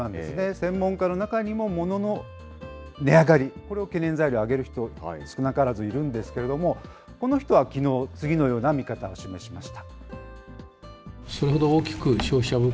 専門家の中にも、ものの値上がり、これを懸念材料に挙げる人、少なからずいるんですが、この人はきのう、次のような見方を示しました。